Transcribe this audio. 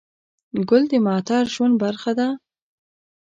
ګل د معطر ژوند برخه ده.